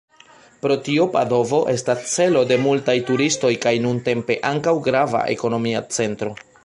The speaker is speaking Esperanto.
Pro tio Padovo estas celo de multaj turistoj, kaj nuntempe ankaŭ grava ekonomia centro.